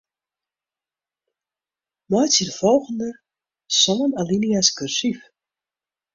Meitsje de folgjende sân alinea's kursyf.